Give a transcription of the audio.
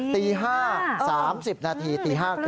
ตี๕นาที๓๐นาทีตี๕๓๐นาที